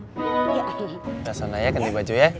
sudah sana ya ganti baju ya